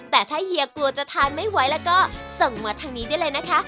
แต่ถ้าเฮียกลัวจะทานไม่ไหวแล้วก็ส่งมาทางนี้ได้เลยนะคะ